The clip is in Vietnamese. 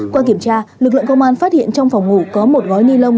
qua kiểm tra lực lượng công an phát hiện trong phòng ngủ có một gói ni lông